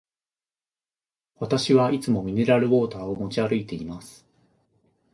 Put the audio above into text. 私はいつもミネラルウォーターを持ち歩いています。